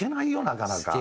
なかなか。